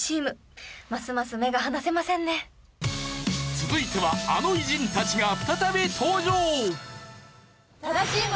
続いてはあの偉人たちが再び登場！